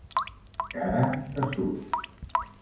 Cara de suro.